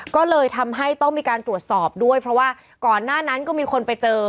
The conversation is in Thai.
ก็เลยทำให้ต้องมีการตรวจสอบด้วยเพราะว่าก่อนหน้านั้นก็มีคนไปเจอ